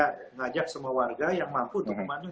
mengajak semua warga yang mampu untuk memandu